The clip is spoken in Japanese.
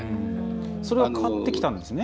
それは変わってきたんですね？